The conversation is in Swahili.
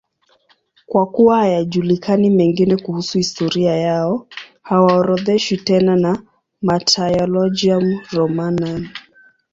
Kwa kuwa hayajulikani mengine kuhusu historia yao, hawaorodheshwi tena na Martyrologium Romanum.